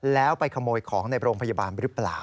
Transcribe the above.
แล้วไปขโมยของในโรงพยาบาลหรือเปล่า